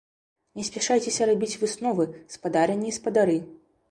Не спяшайцеся рабіць высновы, спадарыні і спадары!